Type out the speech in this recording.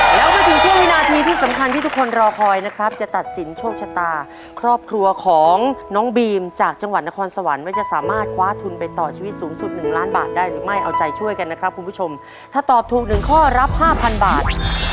แล้วก็มาถึงช่วงวินาทีที่สำคัญที่ทุกคนรอคอยนะครับจะตัดสินโชคชะตาครอบครัวของน้องบีมจากจังหวัดนครสวรรค์ว่าจะสามารถคว้าทุนไปต่อชีวิตสูงสุดหนึ่งล้านบาทได้หรือไม่เอาใจช่วยกันนะครับคุณผู้ชมถ้าตอบถูกหนึ่งข้อรับห้าพันบาท